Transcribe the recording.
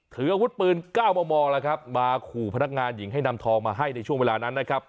ถืออาวุธปืน๙มมแล้วครับมาขู่พนักงานหญิงให้นำทองมาให้ในช่วงเวลานั้นนะครับ